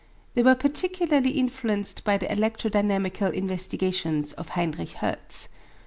They were particularly influenced by the electro dynamical investigations of Heinrich Hertz.